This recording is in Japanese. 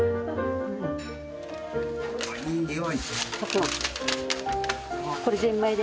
いい匂い。